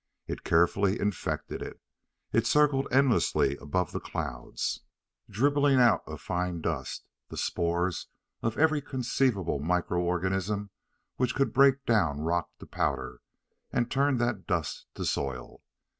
It carefully infected it. It circled endlessly above the clouds, dribbling out a fine dust, the spores of every conceivable microörganism which could break down rock to powder, and turn that dust to soil.